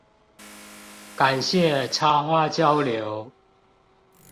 感謝插花交流